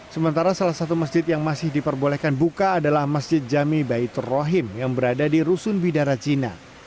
sementara salah satu masjid yang masih diperbolehkan buka adalah masjid jami baitul rohim yang berada di rusun bidara cina